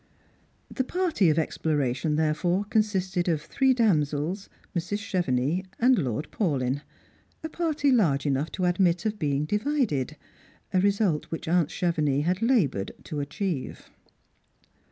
The party of exjjloration, therefore, consisted of three damsels, Mrs. Chevenix and Lord Paulyn; aj^artylarge enough to admit of being divided — a result which aunt Chevenix had laboured to achieve.